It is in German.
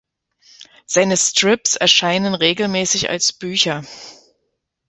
Seine Strips erscheinen regelmäßig als Bücher.